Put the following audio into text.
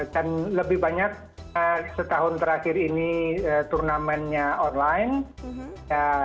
dan lebih banyak setahun terakhir ini turnamennya online